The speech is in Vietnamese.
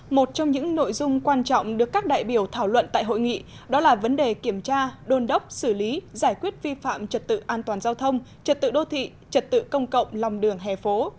một trong những nội dung quan trọng được các đại biểu thảo luận tại hội nghị đó là vấn đề kiểm tra đôn đốc xử lý giải quyết vi phạm trật tự an toàn giao thông trật tự đô thị trật tự công cộng lòng đường hè phố